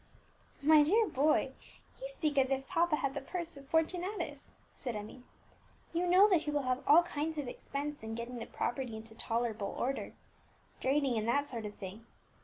"My dear boy, you speak as if papa had the purse of Fortunatus," said Emmie. "You know that he will have all kinds of expense in getting the property into tolerable order, draining, and that sort of thing.